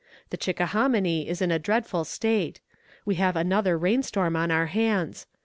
The Chickahominy is in a dreadful state. We have another rain storm on our hands.